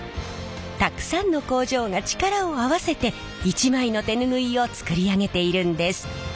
たくさんの工場が力を合わせて一枚の手ぬぐいを作り上げているんです。